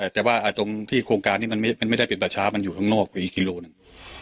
แต่ว่าตรงที่โครงการนี้มันไม่ได้เป็นป่าช้ามันอยู่ข้างนอกอีกกิโลหนึ่ง